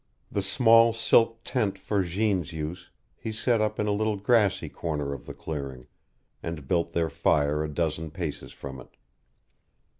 The small silk tent for Jeanne's use he set up in a little grassy corner of the clearing, and built their fire a dozen paces from it.